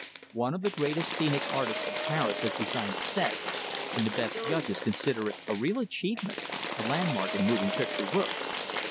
One of the greatest scenic artists of Paris has designed the set, and the best judges consider it a real achievement, a landmark in moving picture work."